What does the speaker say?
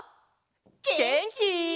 げんき？